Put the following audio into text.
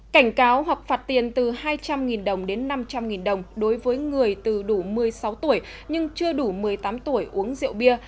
cảnh cáo hoặc phạt tiền từ hai trăm linh đồng đến năm trăm linh đồng đối với người từ đủ một mươi sáu tuổi nhưng chưa đủ một mươi tám tuổi uống rượu bia